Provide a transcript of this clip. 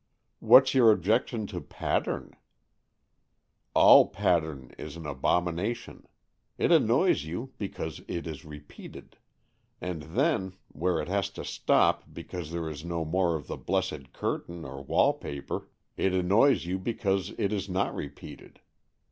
"What's your objection to pattern?" " All pattern is an abomination. It annoys you because it is repeated. And then, where it has to stop because there is no more of the blessed curtain or wall paper, it annoys you because it is not repeated.